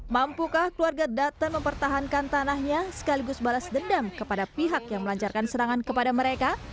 mampukah keluarga dutton mempertahankan tanahnya sekaligus balas dendam kepada pihak yang melancarkan serangan kepada mereka